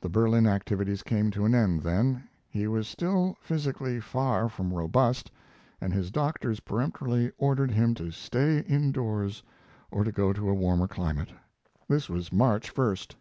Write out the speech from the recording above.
The Berlin activities came to an end then. He was still physically far from robust, and his doctors peremptorily ordered him to stay indoors or to go to a warmer climate. This was March 1st.